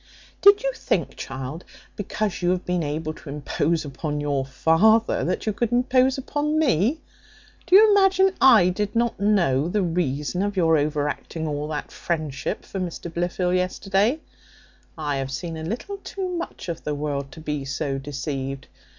Did you think, child, because you have been able to impose upon your father, that you could impose upon me? Do you imagine I did not know the reason of your overacting all that friendship for Mr Blifil yesterday? I have seen a little too much of the world, to be so deceived.